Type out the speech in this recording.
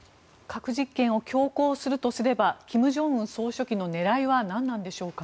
核実験を強行するとすれば金正恩総書記の狙いは何なんでしょうか。